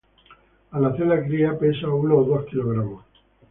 Al nacer la cría pesa unos dos kilogramos.